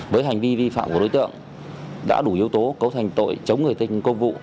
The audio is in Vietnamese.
với hành vi vi phạm của đối tượng đã đủ yếu tố cấu thành tội chống người thành công vụ